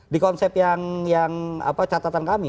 di konsep yang catatan kami